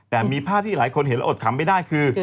แต่มีภาพที่หลายคนเห็นแล้วอดคำไม่ได้คือ